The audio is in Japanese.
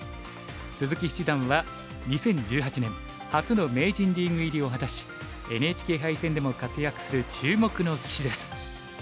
鈴木七段は２０１８年初の名人リーグ入りを果たしＮＨＫ杯戦でも活躍する注目の棋士です。